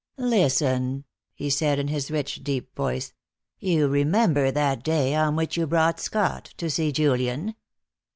"Listen," he said, in his rich, deep voice; "you remember that day on which you brought Scott to see Julian.